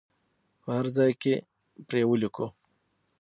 په هر ځای کې پرې ولیکو.